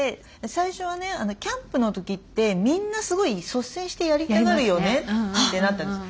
最初はね「キャンプの時ってみんなすごい率先してやりたがるよね」ってなったんです。